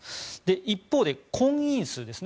一方で婚姻数ですね。